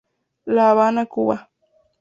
La Habana, Cuba.